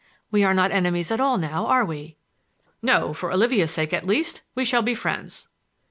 We are not enemies at all now, are we?" "No; for Olivia's sake, at least, we shall be friends."